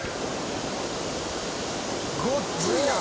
ごっついな！